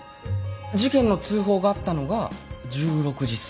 事件の通報があったのが１６時過ぎ。